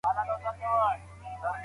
روزنه د کورنۍ او ښوونځي ګډ مسؤلیت دی.